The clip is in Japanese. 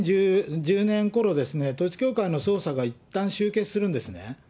２０１０年ごろ、統一教会の捜査がいったん終結するんですよね。